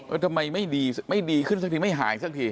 ทำไมไม่ดีไม่ดีขึ้นสักทีไม่หายสักที